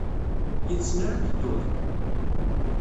Yid-sen ara ad tedduḍ?